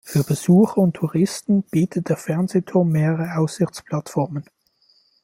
Für Besucher und Touristen bietet der Fernsehturm mehrere Aussichtsplattformen.